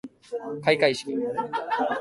かいかいしき